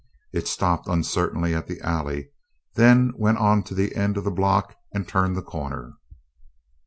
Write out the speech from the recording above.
It stopped uncertainly at the alley, then went on to the end of the block and turned the corner.